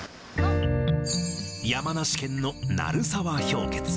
山梨県の鳴沢氷穴。